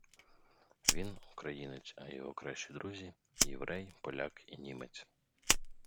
Він українець, а його кращі друзі – єврей, поляк і німець.